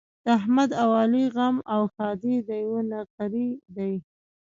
د احمد او علي غم او ښادي د یوه نغري دي.